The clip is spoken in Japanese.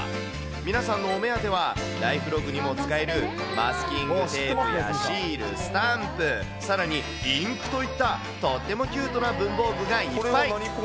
皆さんのお目当ては、ライフログにも使えるマスキングテープやシール、スタンプ、さらに、インクといったとってもキュートな文房具がいっぱい。